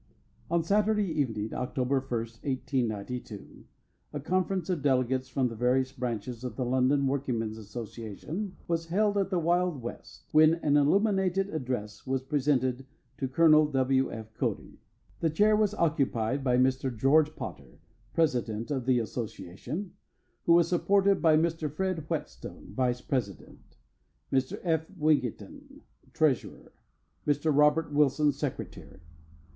On Saturday evening, October 1, 1892, a conference of delegates from the various branches of the London Workingmen's association was held at the Wild West, when an illuminated address was presented to Col. W. F. Cody. The chair was occupied by Mr. George Potter, president of the association, who was supported by Mr. Fred Whetstone, vice president; Mr. F. Wigington, treasurer; Mr. Robert Wilson, secretary.